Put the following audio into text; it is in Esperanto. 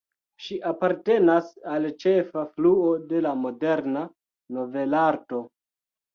Ŝi apartenas al ĉefa fluo de la moderna novelarto.